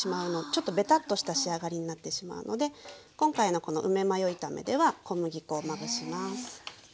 ちょっとベタッとした仕上がりになってしまうので今回のこの梅マヨ炒めでは小麦粉をまぶします。